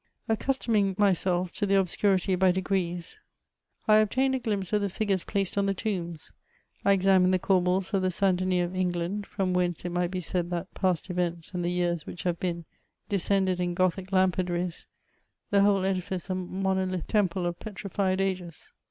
Accustoming myself to the obscurity by degrees, I obtained a glimpse of the figures placed on the tombs. I examined the corbels of the St. Denis of England, from whence it might be said that past events and the years which have been, descended in Gothic lampadaries; the whole edifice a monolithe temple of petrified ages.